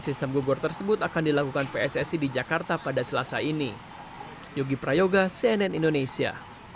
sistem gugur tersebut akan dilakukan pssi di jakarta pada selasa ini yogi prayoga cnn indonesia